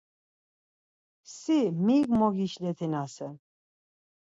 Si mik mogişletinasen?